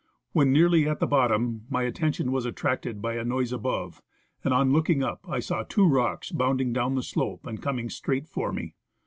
When nearly at the bottom my attention was attracted by a noise above, and on looking up I saw two rocks bounding down the slope and coming straight for me.